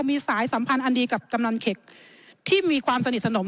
มีสายสัมพันธ์อันดีกับกำนันเข็กที่มีความสนิทสนม